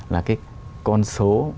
là cái con số